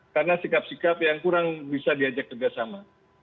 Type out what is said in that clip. karena sikap sikap yang kurang bisa diajak ke dasarnya